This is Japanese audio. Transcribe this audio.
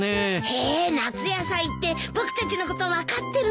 へえ夏野菜って僕たちのこと分かってるなぁ。